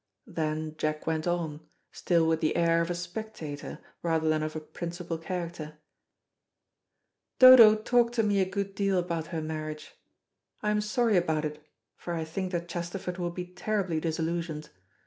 Then Jack went on, still with the air of a spectator than of a principal character, "Dodo talked to me a good deal about her marriage. I am sorry about it, for I think that Chesterford will be terribly disillusioned.